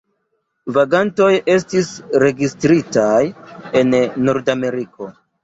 Vagantoj estis registritaj en Nordameriko.